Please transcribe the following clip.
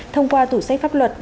thông qua tủ sách pháp luật